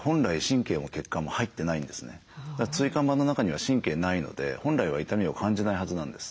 椎間板の中には神経ないので本来は痛みを感じないはずなんです。